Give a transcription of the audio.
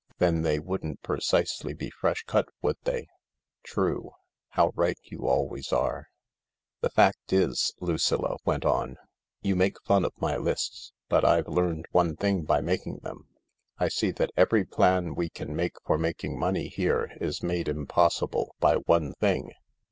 "Then they wouldn't precisely be fresh cut, would they ?" "True. How right you always are !" "The fact is," Lucilla went on, "you make fun of my lists— but I've learned one thing by making them. I see that every plan we can make for making money here is made impossible by one thing.